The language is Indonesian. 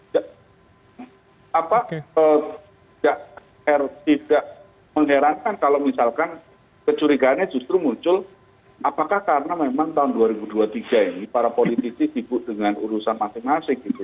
jadi apa tidak mengerankan kalau misalkan kecurigaannya justru muncul apakah karena memang tahun dua ribu dua puluh tiga ini para politisi sibuk dengan urusan masing masing gitu